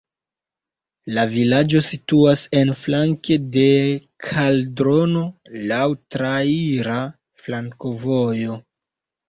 La vilaĝo situas en flanke de kaldrono, laŭ traira flankovojo.